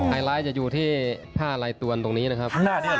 ไลท์จะอยู่ที่ผ้าลายตวนตรงนี้นะครับ